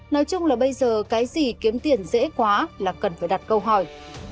nói chung là bây giờ cái gì kiếm tiền dễ quá là cần phải đặt câu hỏi